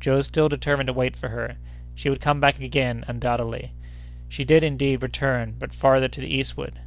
Joe still determined to wait for her; she would come back again, undoubtedly. She did, indeed, return, but farther to the eastward.